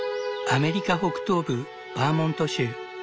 アメリカ北東部バーモント州。